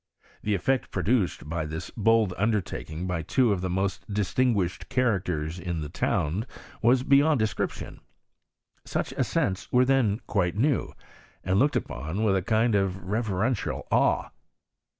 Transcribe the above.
The effect pro duced by this bold undertaking by two of the most diHt.inp; iiiHhcd characters in the town was beyond de flcriptjon. Such ascents were then quite new, and looked upon with a kind of reverential awe.